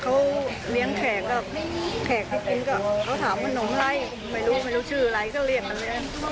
แขกที่กินก็เขาถามว่าน้ำอะไรไม่รู้ไม่รู้ชื่ออะไรก็เรียกอันนี้